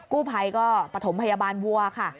กู้ภัยก็ปฐมพยาบาลวัวค่ะ